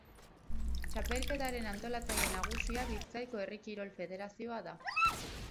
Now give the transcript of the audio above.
Txapelketaren antolatzaile nagusia Bizkaiko Herri Kirol Federazioa da.